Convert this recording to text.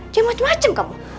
yang macem macem kamu